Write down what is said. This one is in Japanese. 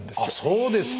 そうですか！